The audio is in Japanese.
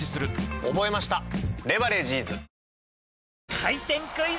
回転クイズ